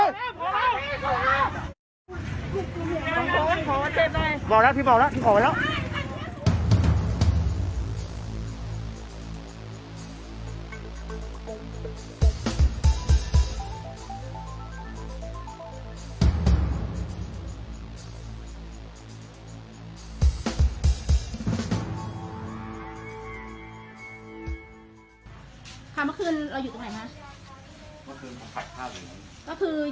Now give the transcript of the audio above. ก็คือยืนผัดข้าวอยู่ในห้องครัวใช่เขาก็เข้ามาที่นี่เลย